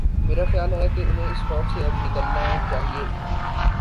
میرا خیال ہے کہ انہیں اس خوف سے اب نکلنا چاہیے۔